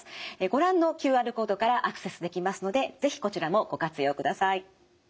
ご覧のＱＲコードからアクセスできますので是非こちらもご活用ください。